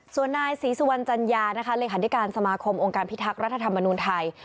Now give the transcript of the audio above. ส่วนนายศรีสุวรรณจัญญานะคะเลขาธิการสมาคมองค์การพิทักษ์รัฐธรรมนุนไทย